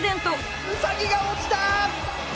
ウサギが落ちた！